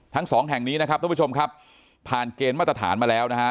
ทั้งสองแห่งนี้นะครับทุกผู้ชมครับผ่านเกณฑ์มาตรฐานมาแล้วนะฮะ